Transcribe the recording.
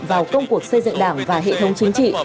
vào công cuộc xây dựng đảng và hệ thống chính trị